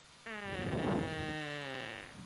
La arquitectura varía según la provincia.